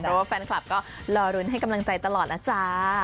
เพราะว่าแฟนคลับก็รอรุ้นให้กำลังใจตลอดแล้วจ้า